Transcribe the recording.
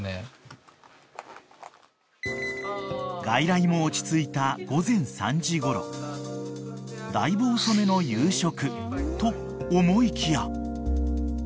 ［外来も落ち着いた午前３時ごろだいぶ遅めの夕食と思いきや］